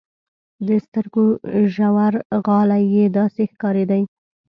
د سترګو ژورغالي يې داسې ښکارېدې.